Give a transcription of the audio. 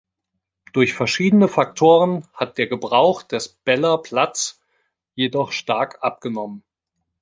Durch verschiedene Faktoren hat der Gebrauch des Beller Platts jedoch stark abgenommen.